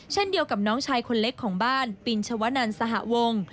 เช่นเดียวกับน้องชายคนเล็กของบ้านปินชวนันสหวง